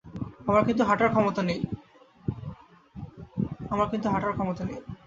আমার কিন্তু হাঁটার ক্ষমতা নেই।